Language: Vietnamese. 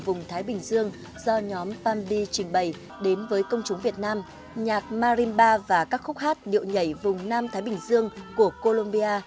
vùng thái bình dương do nhóm palmdi trình bày đến với công chúng việt nam nhạc marinba và các khúc hát điệu nhảy vùng nam thái bình dương của colombia